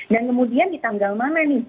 dan kemudian di tanggal mana nih